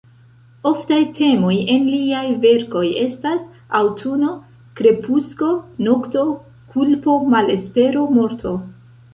Oftaj temoj en liaj verkoj estas: aŭtuno, krepusko, nokto; kulpo, malespero, morto.